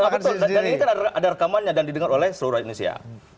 dan ini kan ada rekamannya dan didengar oleh seluruh indonesia